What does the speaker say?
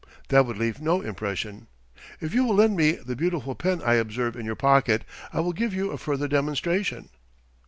That would leave no impression. If you will lend me the beautiful pen I observe in your pocket, I will give a further demonstration."